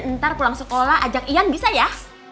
ntar pulang sekolah ajak ian bisa ya